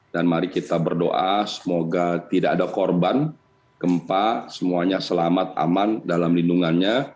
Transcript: dan mari kita berdoa semoga tidak ada korban gempa semuanya selamat aman dalam lindungannya